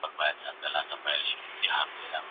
که وخت وي، واښه راوړم!!